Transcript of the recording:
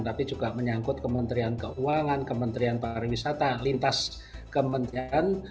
tapi juga menyangkut kementerian keuangan kementerian pariwisata lintas kementerian